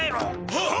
はっ！